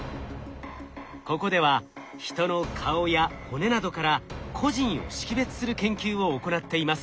ここでは人の顔や骨などから個人を識別する研究を行っています。